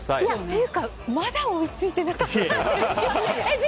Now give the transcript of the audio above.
というかまだ追いついてなかったんですか。